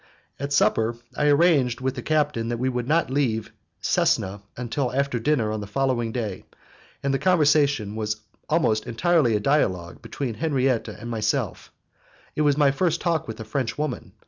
At supper I arranged with the captain that we would not leave Cesena till after dinner on the following day, and the conversation was almost entirely a dialogue between Henriette and myself; it was my first talk with a French woman.